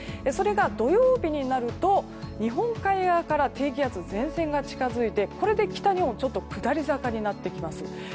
それが土曜日になると日本海側から低気圧の前線が近づいてこれで北日本は下り坂になってきます。